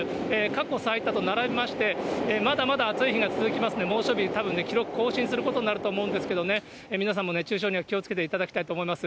過去最多と並びまして、まだまだ暑い日が続きますんで、猛暑日、たぶん記録更新することになると思うんですけどね、皆さんも熱中症には気をつけていただきたいと思います。